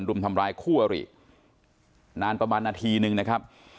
รุมทำร้ายคู่อรินานประมาณนาทีนึงนะครับ